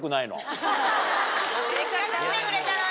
せっかく来てくれたのに。